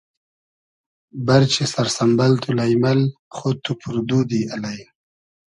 بئرچی سئر سئمبئل تو لݷمئل خۉد تو پور دودی الݷ